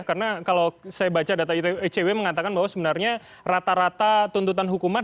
karena kalau saya baca data ecw mengatakan bahwa sebenarnya rata rata tuntutan hukuman